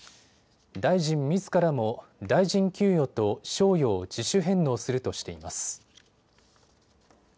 大臣みずからも大臣給与と賞与を自主返納するとしています。